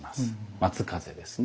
松風ですね。